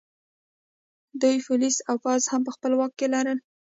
دوی پولیس او پوځ هم په خپل واک کې لري